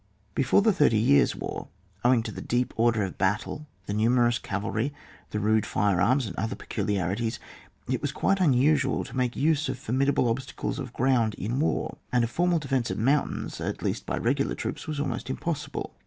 Before the Thirty Years' War, owing to the deep order of battle, the numerous cavalry, the rude fire arms, and other peculiarities, it was quite unusual to make use of formidable obstacles of ground in war, and a for mal defence of mountains, at least by regular troops, was almost impossible.